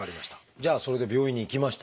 じゃあそれで病院に行きましたと。